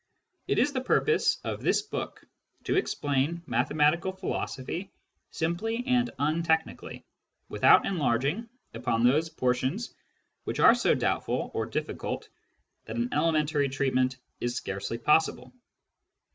It is the purpose of this book to explain mathematical philos ophy simply and untechnically, without enlarging upon those portions which are so doubtful or difficult that an elementary treatment is scarcely possible.